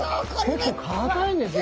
結構かたいんですよ。